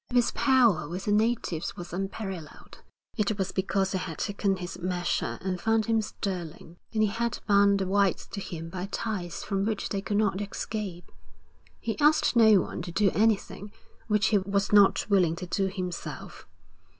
If his power with the natives was unparalleled, it was because they had taken his measure and found him sterling. And he had bound the whites to him by ties from which they could not escape. He asked no one to do anything which he was not willing to do himself.